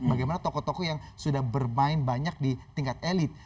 bagaimana tokoh tokoh yang sudah bermain banyak di tingkat elit